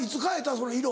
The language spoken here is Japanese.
その色。